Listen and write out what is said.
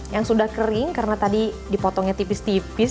yang sudah kering karena tadi dipotongnya tipis tipis